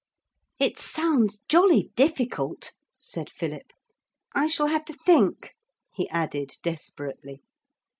'It sounds jolly difficult,' said Philip; 'I shall have to think,' he added desperately.